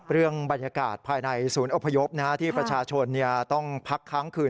เรื่องบรรยากาศภายในศูนย์อพยพที่ประชาชนต้องพักค้างคืน